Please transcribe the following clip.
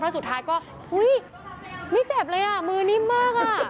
เพราะสุดท้ายก็อุ๊ยไม่เจ็บเลยมือนิ่มมาก